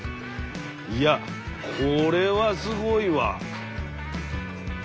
いやこれはすごいわ。